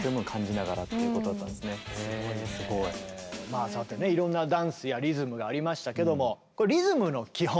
まあそうやってねいろんなダンスやリズムがありましたけどもリズムの基本